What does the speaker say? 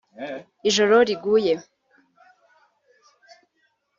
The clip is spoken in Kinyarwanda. Ijoro riguye